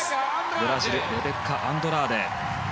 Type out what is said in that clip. ブラジルレベッカ・アンドラーデ。